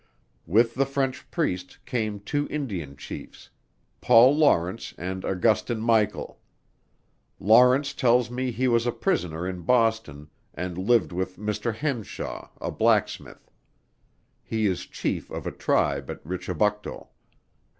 With the French Priest, came two Indian Chiefs, Paul Lawrence and Augustin Michael; Lawrence tells me he was a prisoner in Boston, and lived with Mr. Henshaw, a blacksmith; he is Chief of a tribe at Richibucto.